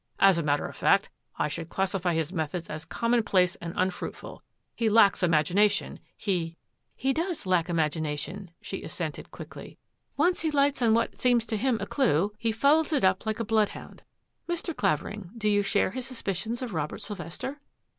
" As a matter of fact, I should classify his methods as commonplace and unfruitful. He lacks imagina tion, he —^*" He does lack imagination," she assented quickly. " Once he lights on what seems to him a clue and he follows it up like a bloodhound. Mr. Clavering, do you share his suspicions of Robert Sylvester?